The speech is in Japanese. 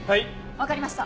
わかりました。